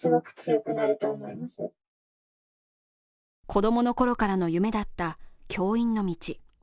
子供の頃からの夢だった教員の道。